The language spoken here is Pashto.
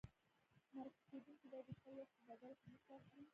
مرکه کېدونکی باید د خپل وخت په بدل کې حق واخلي.